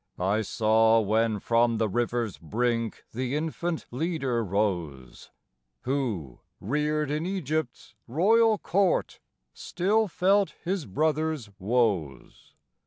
I saw when from the river's brink the infant leader rose, Who, reared in Egypt's royal court, still felt his brothers' woes.